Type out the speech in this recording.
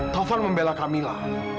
taufan membelah kamila